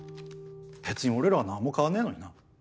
別に俺らは何も変わんねえのにな。